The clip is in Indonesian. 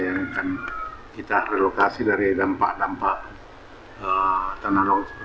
yang akan kita relokasi dari dampak dampak tanaman laut